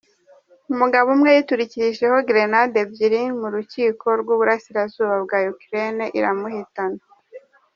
Umugabo umwe yiturikijeho grenade ebyiri mu rukiko rw’uburasirabuza bwa Ukraine iramuhitana.